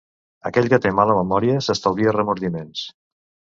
Aquell que té mala memòria s'estalvia remordiments.